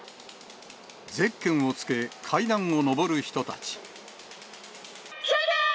ゼッケンをつけ、階段を上る人たち。